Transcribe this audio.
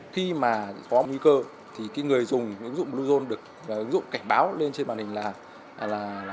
khi mà có nguy cơ thì người dùng ứng dụng bluezone được ứng dụng cảnh báo lên trên màn hình là